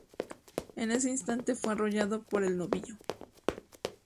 En ese instante fue arrollado por el novillo.